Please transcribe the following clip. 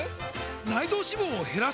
内臓脂肪を減らす！？